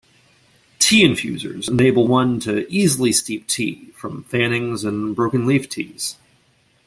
Tea infusers enable one to easily steep tea from fannings and broken leaf teas.